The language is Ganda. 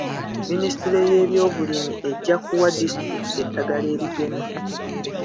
Minisitule y'ebyobulimi ejja kuwa disitulikiti eddagala erigema.